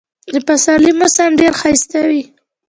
د پسرلي موسم ډېر ښایسته وي.